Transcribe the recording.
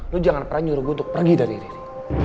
lo jangan pernah nyuruh gue untuk pergi dari riri